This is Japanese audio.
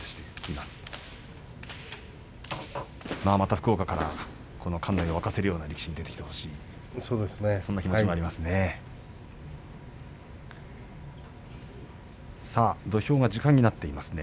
また福岡からこの館内を沸かせるような力士が出てきてほしいそんな気持ちもありますね。